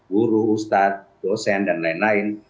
guru ustadz dosen dan lain lain